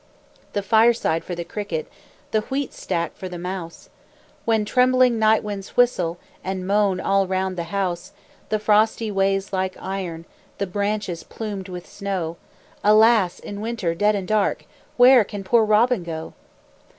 The fireside for the cricket, The wheat stack for the mouse, When trembling night winds whistle And moan all round the house; The frosty ways like iron, The branches plumed with snow Alas! In winter dead and dark, Where can poor Robin go?